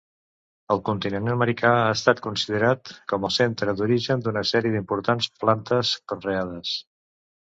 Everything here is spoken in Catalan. El continent americà ha estat considerat com el centre d'origen d'una sèrie d'importants plantes conreades.